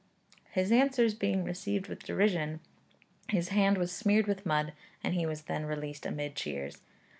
His answers being received with derision, his hand was smeared with mud, and he was then released amid cheers.